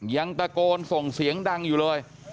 ยังตะโกนส่งเสียงดังอยู่เลย